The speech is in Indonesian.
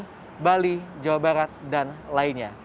jawa barat jawa barat dan lainnya